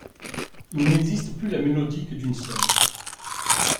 Il n'existe plus la mélodie que d'une seule.